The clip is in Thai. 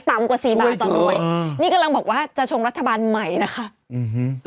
ต่ำกว่า๔บาทต่อหน่วยนี่กำลังบอกว่าจะชงรัฐบาลใหม่นะคะ